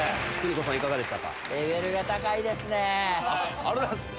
ありがとうございます。